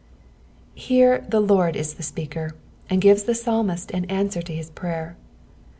''* Ilere the Liord is the speaker, and gives the psalmist an answer to fais prayer.